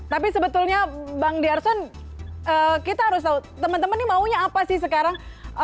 tapi sebetulnya bang ⁇ darson kita harus tahu teman teman ini maunya apa sih sekarang